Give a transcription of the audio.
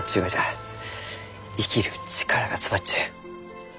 生きる力が詰まっちゅう。